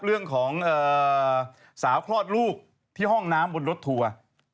เรื่องของสาวคลอดลูกที่ห้องน้ำบนรถทัวร์